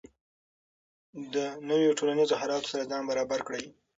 د نویو ټولنیزو حالاتو سره ځان برابر کړئ.